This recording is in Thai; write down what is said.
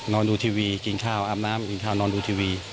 ดูทีวีกินข้าวอาบน้ำกินข้าวนอนดูทีวี